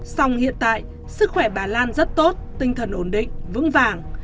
song hiện tại sức khỏe bà lan rất tốt tinh thần ổn định vững vàng